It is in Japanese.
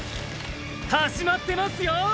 始まってますよォ！！